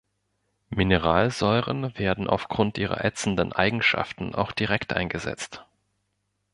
Mineralsäuren werden aufgrund ihrer ätzenden Eigenschaften auch direkt eingesetzt.